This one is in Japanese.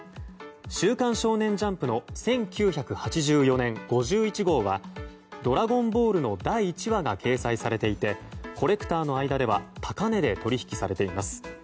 「週刊少年ジャンプ」の１９８４年５１号は「ドラゴンボール」の第１話が掲載されていてコレクターの間では高値で取引されています。